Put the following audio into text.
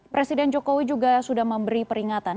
presiden jokowi juga sudah memberi peringatan